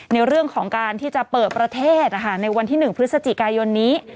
ในเรื่องของการที่จะเปิดประเทศในวันที่๑พฤศจิกายนนี้